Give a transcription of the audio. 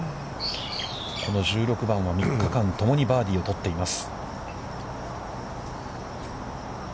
この１６番は、３日間ともにバーディーを取っています。